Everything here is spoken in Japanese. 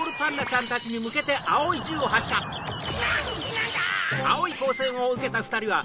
なんだ？